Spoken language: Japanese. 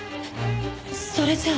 それじゃあ。